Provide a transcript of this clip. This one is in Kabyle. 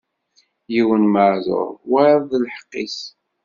Yiwen meɛduṛ, wayeḍ d lḥeqq-is.